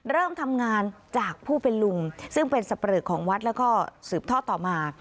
เริ่มทำงานจากผู้เป็นลุงซึ่งเป็นสับปลอกของวัดแล้วก็สืบทอดต่อมา